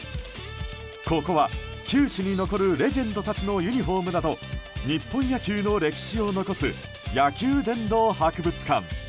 ここは、球史に残るレジェンドたちのユニホームなど日本野球の歴史を残す野球殿堂博物館。